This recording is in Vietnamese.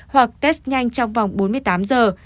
hoặc test nhanh trong vòng bốn mươi tám giờ